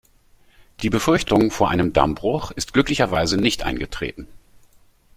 Die Befürchtung vor einem Dammbruch ist glücklicherweise nicht eingetreten.